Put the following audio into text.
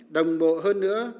đồng bộ hơn nữa